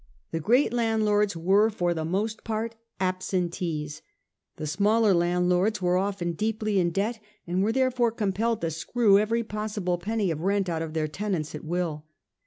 The great landlords were for the most part absentees ; the smaller landlords were often deeply in debt, and .were therefore compelled to screw every possible penny of rent out of their tenants at will.